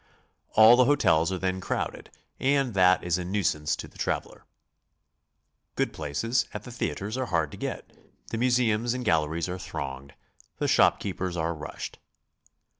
All the hotels are then crowded, and that is a nuisance to the traveler. Good places at the theatres are hard to get, the museums and galleries are thronged, the shop keepers are rushed.